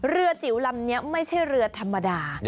จิ๋วลำนี้ไม่ใช่เรือธรรมดา